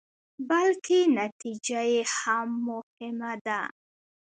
بلکې نتيجه يې هم مهمه ده.